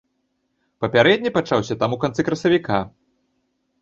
Папярэдні пачаўся там у канцы красавіка.